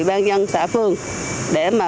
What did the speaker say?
bàn nhân xã phường để mà